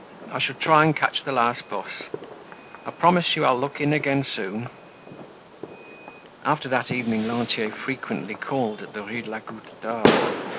I shall try and catch the last bus. I promise you I'll look in again soon." After that evening Lantier frequently called at the Rue de la Goutte d'Or.